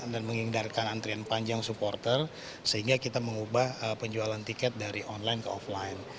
dan menghindarkan antrian panjang supporter sehingga kita mengubah penjualan tiket dari online ke offline